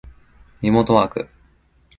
リモートワーク